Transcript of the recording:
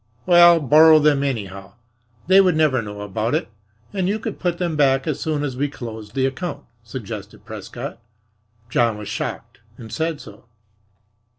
"Well, borrow them, anyhow. They would never know about it, and you could put them back as soon as we closed the account," suggested Prescott. John was shocked, and said so.